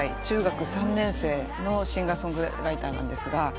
中学３年生のシンガー・ソングライターなんですが。